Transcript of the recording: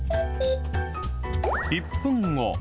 １分後。